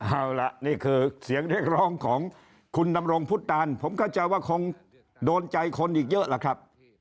เอาล่ะนี่คือเสียงเรียกร้องของคุณดำรงพุทธตานผมเข้าใจว่าคงโดนใจคนอีกเยอะล่ะครับ